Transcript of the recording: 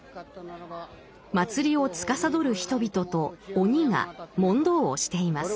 祭りを司る人々と鬼が問答をしています。